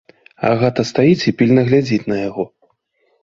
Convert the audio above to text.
Агата стаіць і пільна глядзіць на яго.